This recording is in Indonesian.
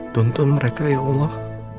tuntun mereka ya allah